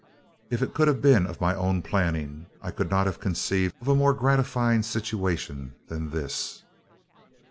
"If it could have been of my own planning I could not have conceived of a more gratifying situation than this.